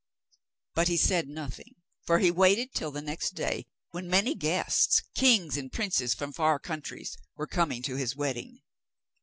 But he said nothing, for he waited till the next day, when many guests kings and princes from far countries were coming to his wedding.